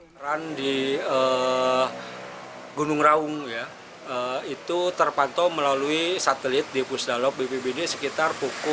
kebakaran di gunung raung itu terpantau melalui satelit di pusdalok bpbd sekitar pukul tujuh